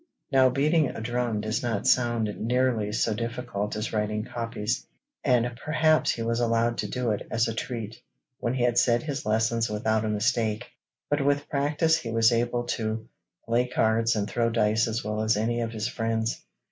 Now beating a drum does not sound nearly so difficult as writing copies, and perhaps he was allowed to do it as a treat when he had said his lessons without a mistake, but with practice he was able to play cards and throw dice as well as any of his friends.